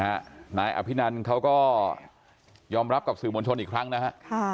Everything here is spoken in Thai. นายอภินันเขาก็ยอมรับกับสื่อมวลชนอีกครั้งนะฮะ